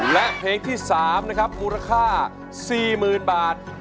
และเพลงที่๓นะครับมูลค่า๔๐๐๐บาท